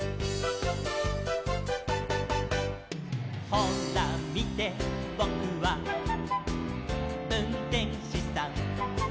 「ほらみてボクはうんてんしさん」